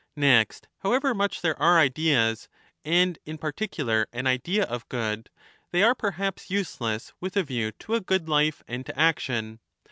Next, however much there are Ideas and in particular an Idea of good, they are perhaps useless with a r 25 view to a good life and to action.